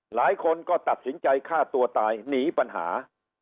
หลายคนก็ตัดสินใจฆ่าตัวตายหนีปัญหา